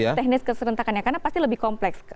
teknis keserentakannya karena pasti lebih kompleks